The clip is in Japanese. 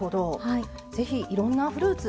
ぜひ、いろんなフルーツ